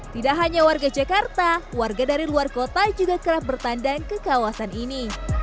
tidak hanya warga jakarta warga dari luar kota juga kerap bertandang ke kawasan ini